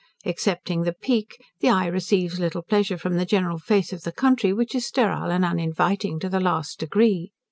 Excepting the Peak, the eye receives little pleasure from the general face of the country, which is sterile and uninviting to the last degree.